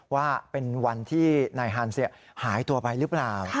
ว่าเป็นวันที่นายฮันส์หายตัวไปหรือเปล่า